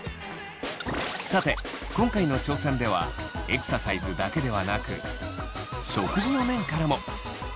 さて今回の挑戦ではエクササイズだけではなく食事の面からも。